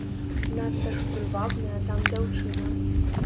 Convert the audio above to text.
Надта ж прывабная там дзяўчына.